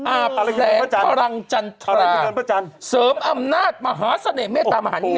แสงพลังจันทรเสริมอำนาจมหาเสน่หมเมตตามหานิยม